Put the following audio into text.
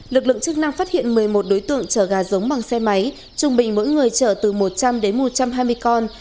lực lượng chức năng phát hiện một mươi một đối tượng chở gà giống bằng xe máy trung bình mỗi người chở từ một trăm linh đến một trăm hai mươi con